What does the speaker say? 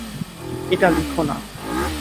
এটা লিখো না।